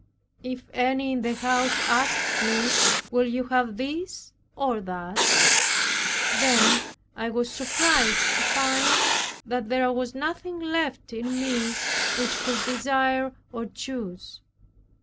If any in the house asked me, "Will you have this, or that?" then I was surprised to find that there was nothing left in me which could desire or choose.